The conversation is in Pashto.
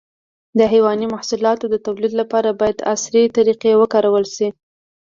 د حيواني محصولاتو د تولید لپاره باید عصري طریقې وکارول شي.